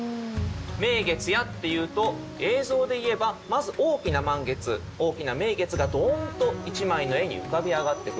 「名月や」っていうと映像でいえばまず大きな満月大きな名月がドーンと一枚の絵に浮かび上がってくる。